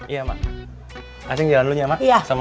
iya ma'am asing jalan dulunya ma'am